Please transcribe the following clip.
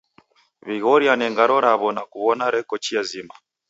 W'ighoriane ngano raw'o na kuw'ona reko chia zima.